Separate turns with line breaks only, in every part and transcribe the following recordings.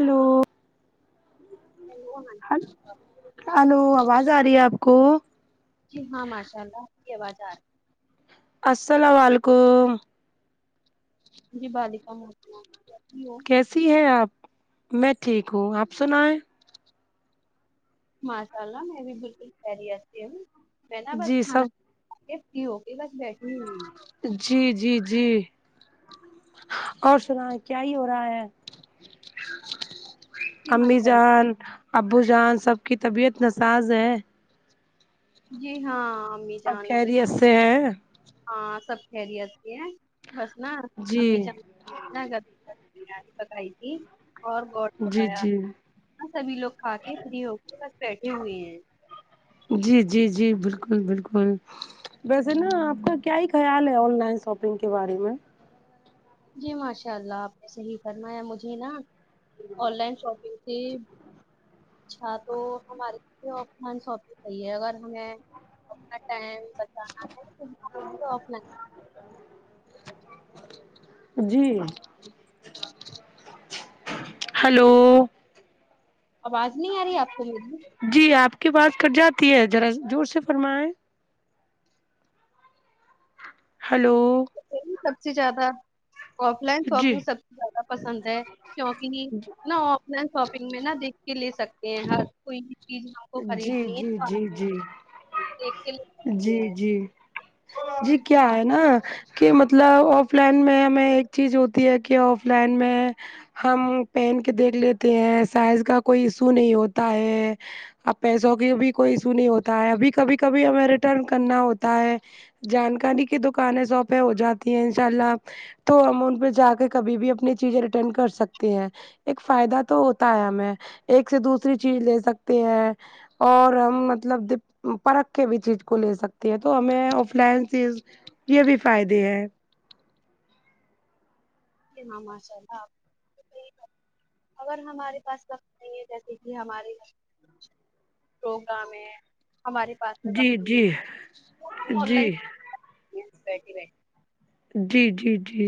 hello
hello مم
hello آواز آ رہی ہے آپ کو
جی ہاں ماشاء اللہ آپ کی آواز آ رہی ہے
السلام وعلیکم
جی وعلیکم السلام
کیسی ہے آپ میں ٹھیک ہوں آپ سنائیں
ماشاء اللہ میں بھی بالکل خیریت سے ہوں میں نا بس
جی سب
کھانا کی ہو کے بس بیٹھی ہوئی ہوں
جی جی جی اور سنا کیا ہی ہو رہا ہے
جی
امی
ماشاء اللہ
جان ابو جان سب کی طبیعت ناساز ہے
جی ہاں امی
اب
جان
خریت سے ہیں
ہاں سب خیریت سے ہے بس نا
جی
امی جان گ بریانی پکائی تھی اور گوڈ
جی
پکایا
جی
ہاں سبھی لوگ کھا کے فری ہو کے بس بیٹھے ہوئے ہیں
جی جی جی بالکل بالکل ویسے نا آپ کا کیا ہی خیال ہے آن لائن شاپنگ کے بارے میں
جی ماشاء اللہ آپ نے صحیح فرمایا ہے مجھے نا آن لائن شاپنگ سے اچھا تو ہمارے لئے آن لائن شاپنگ صحیح ہے اگر ہمیں اپنا ٹائم بچانا ہےنا تو آف لائن
جی ہلو
آواز نہیں آ رہی ہے آپ کو میری
جی آپ کی بات کٹ جاتی ہے ذرا زور سے فرمیں ہلو
سب سے زیادہ آف لائن
جی
شاپنگ سب سے زیادہ پسند ہے کیونکہ نا آف لائن شاپنگ میں نا دیکھ کے لے سکتے ہیں ہر کوئی چیزیں ہم کو
جی
خریدنی ہے
جی
اور
جی جی
دیکھ کے ل
جی جی جی کیا ہے نا کہ مطلب آف لائن میں ہمیں ایک چیز ہوتی ہے کہ آف لائن میں ہم پہن کے دیکھ لیتے ہیں سائز کا کوئی ایشو نہیں ہوتا ہے اب پیسوں کی بھی کوئی ایشو نہیں ہوتا ہے ابھی کبھی کبھی ہمیں ریٹرن کرنا ہوتا ہے جانکاری کی دکانیں ساپیں ہو جاتی ہیں ان شاء اللہ تو ہم ان پہ جا کے کبھی بھی اپنی چیزیں ریٹرن کر سکتے ہیں ایک فائدہ تو ہوتا ہے ہمیں ایک سے دوسری چیز لے سکتے ہیں اور ہم مطلب د پرکھ کے بھی چیز کو لے سکتے ہیں تو ہمیں آف لائن چیز یہ بھی فائدے ہیں
جی ہاں ماشاء اللہ اگر ہمارے پاس وقت نہیں ہے جیسے کہ ہمارے پروگ میں ہمارے پاس میں
جی
بقی
جی
آن
جی
لائن ج بیٹ بی
جی جی جی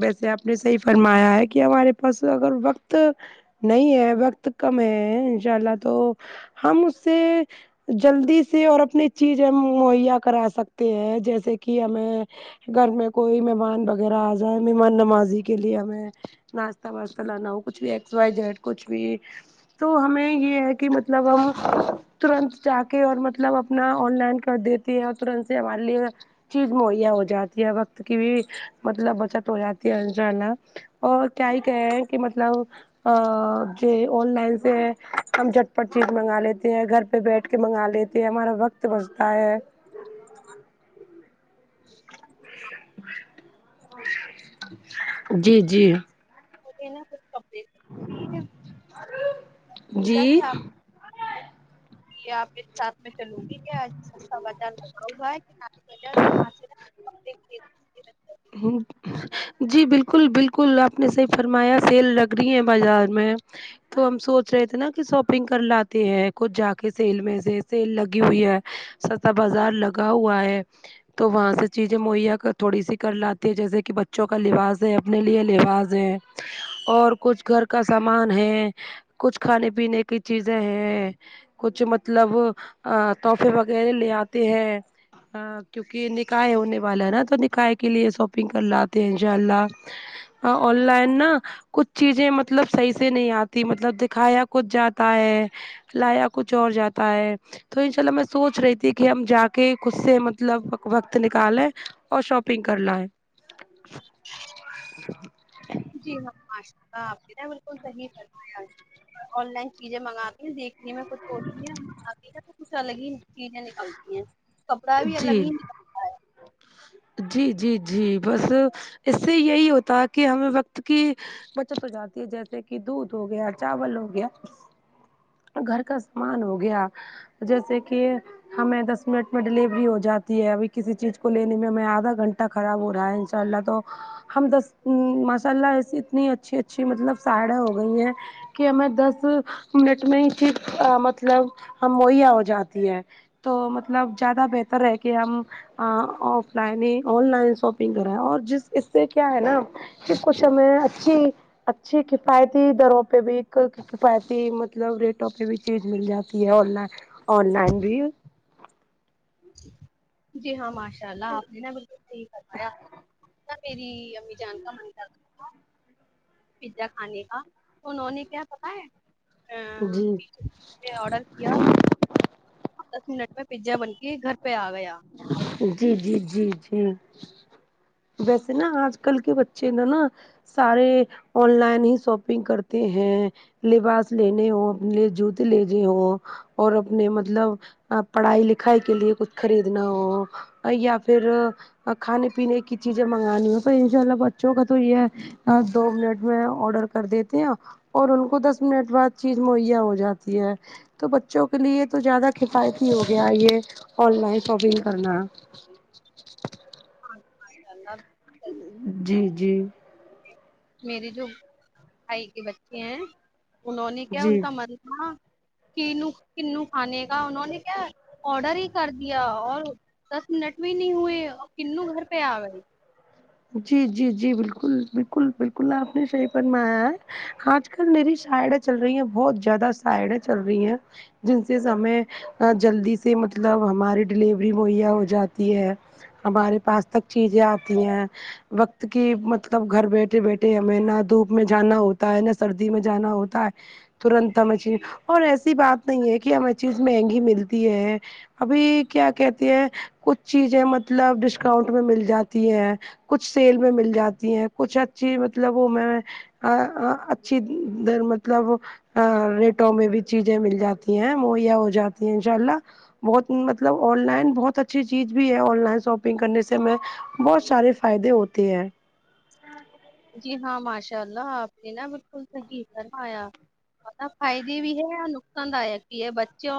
ویسے آپ نے صحیح فرمایا ہے کہ ہمارے پاس اگر وقت نہیں ہے وقت کم ہے ان شاء اللہ تو ہم اس سے جلدی سے اور اپنی چیز ہم مہیا کرا سکتے ہیں جیسے کہ ہمیں گھر میں کوئی مہمان وغیرہ آ جائے مہمان نمازی کے لیے ہمیں ناشتہ واشتہ لانا ہو کچھ بھی ایکس وائی جیٹ کچھ بھی تو ہمیں یہ ہے کہ مطلب ہم ترنت جا کے اور مطلب اپنا آن لائن کر دیتے ہیں اور تورنت سے ہمارے لیے چیز مہیا ہو جاتی ہے وقت کی بھی مطلب بچت ہو جاتی ہے انشاء اللہ اور کیا ہی کہ رہے ہیں کہ مطلب ا ج آن لائن سے ہم جٹ پٹ چیز منگا لیتے ہیں گھر پھر بیٹھ کے منگا لیتے ہیں ہمارا وقت بچتا ہے جی جی
کمسا کہ
جی
آپ کو یہ آپ ایک ساتھ میں چلوں گی کیا آج [unintelligible]
جی بالکل بالکل آپ نے صحیح فرمایا سیل لگ رہی ہے بازار میں تو ہم سوچ رہے تھے نا کہ شاپنگ کر لاتے ہیں کچھ جا کے سیل میں سے سیل لگی ہوئی ہے چھتا بازار لگا ہوا ہے تو وہاں سے چیزیں مہیا کر تھوڑی سی کر لاتی ہے جیسے کہ بچوں کا لباس ہے اپنے لیے لباس ہے اور کچھ گھر کا سامان ہے کچھ کھانے پینے کی چیزیں ہیں کچھ مطلب تحفے وغیرہ لے آتے ہیں ہاں کیونکہ نکاح ہونے والا ہے نا تو نکاح کے لیے شاپنگ کر لاتے ہیں انشاء اللہ آ آن لائن نہ کچھ چیزیں مطلب صحیح سے نہیں آتی مطلب دکھایا کچھ جاتا ہے لایا کچھ اور جاتا ہے تو ان شاء اللہ میں سوچ رہی تھی کہ ہم جا کے خود سے مطلب وقت نکالیں اور شاپ پنگ کر ل ہے
جی ہاں ماشاء اللہ آپ نے بالکل صحیح فرما یا آن لائن چیزیں منگاتی دیکھ جی میں کچھ ہوتی ہیں آتی ہیں تو کچھ الگ ہی چیزیں نکلتی ہیں کپڑا بھی
جی
الگ ہی
جی جی جی بس اس سے یہی ہوتا کہ ہمیں وقت کی بچت ہو جاتی ہے جیسے کہ دودھ ہو گیا چاول ہو گیا گھر کا سامان ہو گیا جیسے کہ ہمیں دس منٹ میں ڈیلیوری ہو جاتی ہے ابھی کسی چیز کو لینے میں ہمیں آدھا گھنٹہ خراب ہو رہا ہے ان شاء اللہ تو ہم دس ماشاء اللہ ایسی اتنی اچھی اچھی مطلب سائیڈ یں ہو گئی ہیں کہ ہمیں دس منٹ میں ہی چیز مطلب مہیا ہو جاتی ہے تو مطلب جیادہ بہتر ہے کہ ہم ا آف لائن نہی آن لائن شاپنگ کریں ہے اور جس اس سے کیا ہے نہ پھر کچھ ہمیں اچھی اچھی کفایتی دروں پہ بھی ایک کفایتی مطلب ریٹوں پہ بھی چیز مل جاتی ہے آن لائن آن لائن بھی
جی ہاں ماشاء اللہ آپ نے نا بالکل صحیح فرما یا میری امی جان کا من کر تا تھا پیزا کھانے کا تو انہوں نے کیا پتہ ہے
جی
اں آڈر کیا دس منٹ میں پیزا بن کے گھر پہ آ گیا
جی جی جی جی ویسے نہ آج کل کے بچے نہ نہ سارے آن لائن ہی شاپنگ کرتے ہیں لباس لینے ہو اپنے جوتے لینے ہو اور اپنے مطلب پڑھائی لکھائی کے لیے کچھ خریدنا ہو یا پھر کھانے پینے کی چیزیں منگانی ہو تو ان شاء اللہ بچوں کا تو یہ ہے دو منٹ میں آڈر کر دیتے ہیں اور ان کو دس منٹ بعد چیز مہیا ہو جاتی ہے تو بچوں کے لیے تو زیادہ کفایتی ہو گیا یہ آن لائن شاپنگ کرنا
اور ماشاءاللہ
جی جی
میرے جو بھائی کے بچے ہیں انہوں نے کیا ان
جی
کا من نا کینو کنوں کھانے کا انہوں نے کیا آڈر ہی کر دیا اور دس منٹ میں نہیں ہوئے کنوں گھر پہ آ گئی
جی جی جی بالکل بالکل بالکل آپ نے صحیح فر مایا ہے آج کل میری سائیڈ یں چل رہی ہیں بہت زیادہ سائیڈ یں چل رہی ہیں جن سیس ہمیں جلدی سے مطلب ہماری ڈیلیوری مہیا ہو جاتی ہے ہمارے پاس تک چیزیں آتی ہیں وقت کی مطلب گھر بیٹھے بیٹھے ہمیں نہ دھوپ میں جانا ہوتا ہے نہ سردی میں جانا ہوتا ہے ترنت ہمیں چین اور ایسی بات نہیں ہے کہ ہمیں چیز مہنگی ملتی ہے ابھی کیا کہتے ہیں کچھ چیزیں مطلب ڈسکاؤنٹ میں مل جاتی ہے کچھ سیل میں مل جاتی ہیں کچھ اچھی مطلب وہ میں ا ا اچھی در مطلب ریٹوں میں بھی چیزیں مل جاتی ہیں مہیا ہو جاتی ہیں ان شاء اللہ بہت مطلب آن لائن بہت اچھی چیز بھی ہے آن لائن شاپنگ کرنے سے میں بہت سارے فائدے ہوتے ہیں
جی ہاں ماشاء اللہ آپ نے نہ بالکل صحیح فرما یا اور فائدے بھی ہے اور نقصان دایک بھی ہے بچوں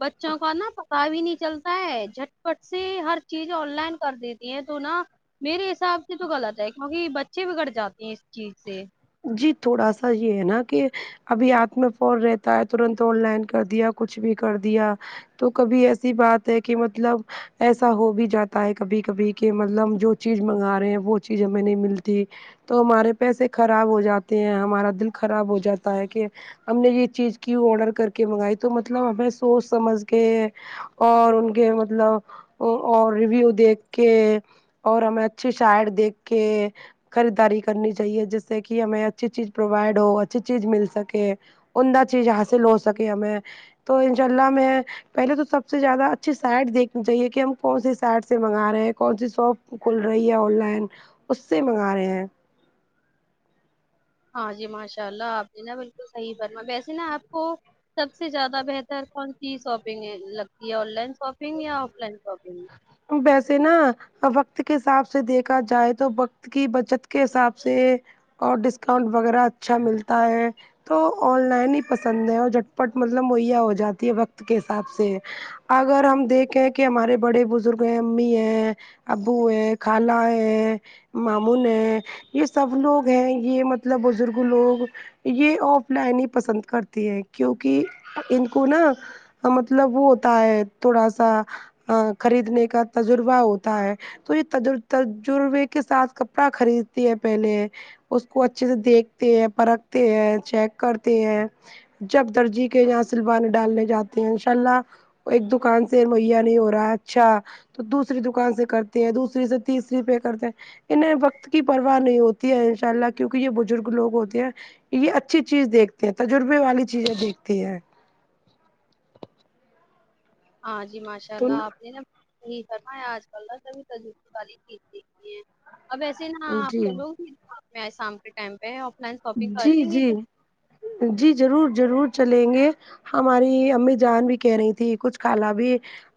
بچوں کو نا پتا بھی نہیں چلتا ہے جٹپٹ سے ہر چیز آن لائن کر دیتی ہے تو نا میرے حساب سے تو غلط ہے کیونکہ بچے بگڑ جاتے ہیں اس چیز سے
جی تھوڑا سا یہ ہے نا کہ ابھی ہاتھ میں فون رہتا ہے ترنت ا لائن کر دیا کچھ بھی کر دیا تو کبھی ایسی بات ہے کہ مطلب ایسا ہو بھی جاتا ہے کبھی کبھی کہ مطلب جو چیز منگا رہے ہیں وہ چیز ہمیں نہیں ملتی تو ہمارے پیسے خراب ہو جاتے ہیں ہمارا دل خراب ہو جاتا ہے کہ ہم نے یہ چیز کیو آڈر کر کے منگائی تو مطلب ہمیں سوچ سمج کے اور ان کے مطلب اور ریویو دیکھ کے اور ہمیں اچھی چیٹ دیکھ کے خریداری کرنی چاہیے جس جس سے کہ ہمیں اچھی چیز پرووائڈ ہو اچھی چیز مل سکے اعمدہ چیز حاصل ہو سکے میں تو انشاء اللہ میں پہلے تو سب سے زیادہ اچھیے سیٹ دیکھنی چاہیے کہ ہم کون سے سیٹ سے منگا رہے ہیں کون سی شاپ کھل رہی ہے آن لائن اس سے منگا رہے ہیں
ہاں جی ماشاء اللہ آپ نے نا بالکل صحیح فرمایا ویسے نا آپ کو سب سے زیادہ بہتر کون سی شاپنگ لگتی ہے آن لائن شاپنگ یا آف لائن شاپنگ
ویسے نا وقت کے حساب سے دیکھا جائے تو وقت کی بچت کے حساب سے اور ڈسکاؤنٹ وغیرہ اچھا ملتا ہے تو آن لائن ہی پسند ہے اور جھٹپٹ مطلب مہیا ہو جاتی ہے وقت کے حساب سے اگر ہم دیکھیں کہ ہمارے بڑے بزرگ پ امی ہے ابو ہے خالا ہے مامن ہیں یہ سب لوگ ہیں یہ مطلب بزرگ لوگ یہ آف لائن ہی پسند کرتی ہے کیونکہ ان کو نا مطلب وہ ہوتا ہے تھوڑا سا خریدنے کا تجربہ ہوتا ہے تو یہ تجربے کے ساتھ کپڑا خریدتی ہے پہلے اس کو اچھے سے دیکھتے ہیں پرکھتے ہیں چیک کرتے ہیں جب درجی کے یہاں سلوان ڈالنے جاتے ہیں ان شاء اللہ ایک دوکان سے موہیا نہیں ہو رہا اچھا تو دوسری دوکان سے کرتی ہے دوسری سے تیسری پہ کرتے انہیں وقت کی پرواہ نہیں ہوتی ہے ان شاء اللہ کیونکہ یہ بزرگ لوگ ہوتے ہیں یہ اچھی چیز دیکھتے ہیں تجربے والی چیزیں دیکھتی ہے
ہاں جی ماشاء
تو
اللہ آپ نے نا صحیح فرمایا آج کل [inaudible] اب وسے نا آپ چ لو گی شپ میں آ شام کے ٹائم پہ آف لائن شاپنگ کر
جی
لیں گے
جی جی ضرور ضرور چلیں گے ہماری امی جان بھی کہہ رہی تھی کچھ کالا بھی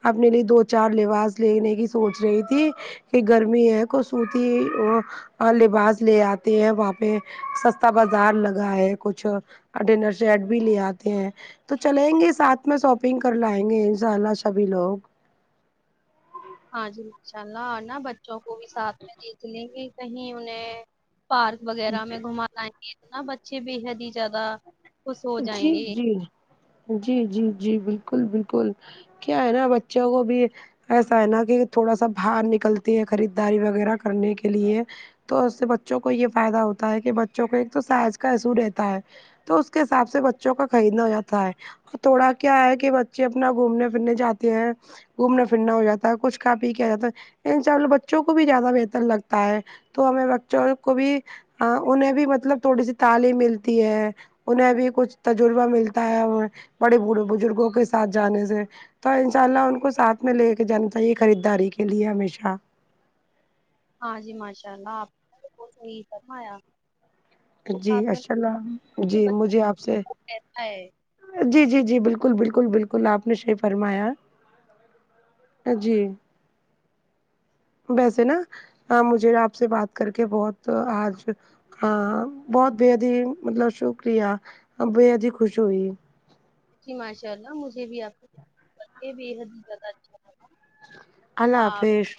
اپنے لیے دو چار لباس لینے کی سوچ رہی تھی کہ گرمی ہے خصوتی لباس لے آتے ہیں وہاں پہ چھتا بازار لگا ہے کچھ ڈنر سے ایڈ بھی لے آتے ہیں تو چلیں گے ساتھ میں شاپنگ کر لائیں گے ان شاء اللہ سبھی لوگ
ہاں جی انشاء اللہ اور نا بچوں کو بھی ساتھ میں دیکھ لیں گے کہیں انہیں پارک وغیرہ میں گھما لائیں گے تو نا بچے بے حد ہی زیادہ خوش ہو جائیں
جی
گے
جی جی جی جی بالکل بالکل کیا ہے نا بچوں کو بھی ایسا ہے نا کہ تھوڑا سا باہر نکلتی ہے خریداری وغیرہ کرنے کے لیے تو اس سے بچوں کو یہ فائدہ ہوتا ہے کہ بچوں کو ایک تو ساناز کا حسو رہتا ہے تو اس کے حساب سے بچوں کا خریدنا ہواتا ہے تھوڑا کیا ہے کہ بچے اپنا گھومنے پھرنے جاتے ہیں گھومنا پھرنا ہو جاتا ہے کچھ کھا پی کے آ جاتا ہے انشاالہ بچوں کو بھی زیادہ بہتر لگتا ہے تو ہمیں بچوں کو بھی انہیں بھی مطلب تھوڑی سی تعلیم ملتی ہے انہیں بھی کچھ تجربہ ملتا ہے بڑے بزرگوں کے ساتھ جانے سے تو انشاء اللہ ان کو ساتھ میں لے کے جانا چاہیے خریداری کے لیے ہمیشہ
ہاں جی ماشاء اللہ آپ نے بہت صحیح فرمایا وہ
جی
ساتھ میں
ماشاللہ
تو
جی
بچوں
مجھے آپ سے
کو کہتا ہے
جی جی جی بالکل بالکل بالکل آپ نے صحیح فرمایا جی ویسے نا مجھے آپ سے بات کر کے بہت آج ہاں بہت بےحد ہی مطلب شکریہ بےحد ہی خوش ہوئی
جی ماشاء اللہ مجھے بھی آپ سے بات کرکے بے حد ہی زیادہ اچھا لگا
اللہ حافظ